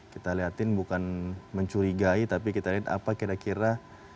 kita lihatin bukan mencurigai tapi kita lihat apa kira kira